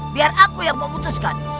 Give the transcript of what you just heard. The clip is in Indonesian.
biar aku yang memutuskan